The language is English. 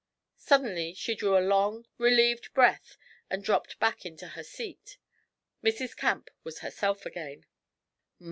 Suddenly she drew a long, relieved breath and dropped back into her seat. Mrs. Camp was herself again.